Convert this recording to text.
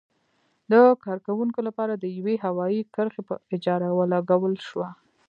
د کارکوونکو لپاره د یوې هوايي کرښې په اجاره ولګول شوه.